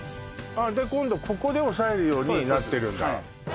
あっ今度ここで押さえるようになってるんだ